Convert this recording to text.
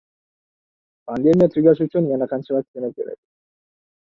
Pandemiya tugashi uchun yana qancha vaksina kerak?